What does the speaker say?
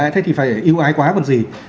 thế thì phải yêu ái quá còn gì